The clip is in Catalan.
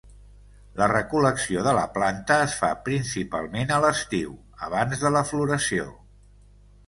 La recol·lecció de la planta es fa principalment a l'estiu, abans de la floració.